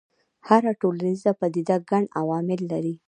هره ټولنیزه پدیده ګڼ عوامل لري.